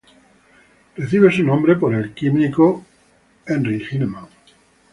Recibe su nombre por el químico estadounidense Henry Gilman.